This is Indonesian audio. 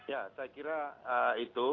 ya saya kira itu